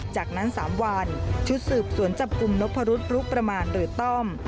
จากนั้น๓วันชุดสืบสวนจับกลุ่มนพรุษรุประมาณหรือต้อม